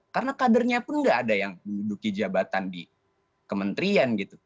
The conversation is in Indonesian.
karena kadernya pun nggak ada yang duduki jabatan di kementerian gitu